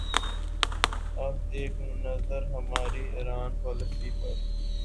اب ایک نظر ہماری ایران پالیسی پر۔